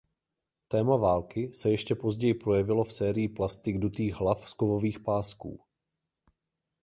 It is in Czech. Téma války se ještě později projevilo v sérii plastik dutých hlav z kovových pásků.